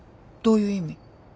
どういう意味？